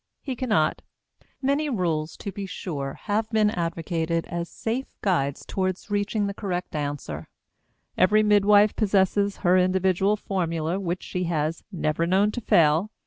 He cannot. Many rules, to be sure, have been advocated as safe guides toward reaching the correct answer; every midwife possesses her individual formula which she has "never known to fail."